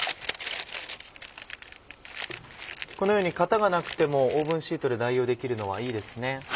このように型がなくてもオーブンシートで代用できるのはいいですね。